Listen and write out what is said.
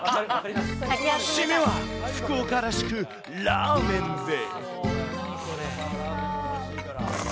締めは福岡らしくラーメンで。